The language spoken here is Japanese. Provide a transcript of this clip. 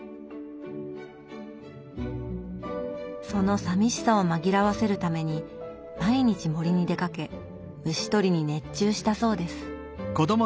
そのさみしさを紛らわせるために毎日森に出かけ虫捕りに熱中したそうです。